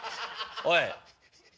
おい。